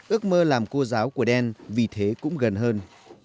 ước mơ làm cô giáo của đen vì thế cũng gần hơn